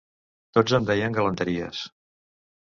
Tots em deien galanteries.